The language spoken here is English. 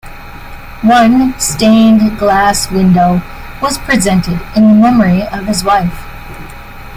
One stained glass window was presented in memory of his wife.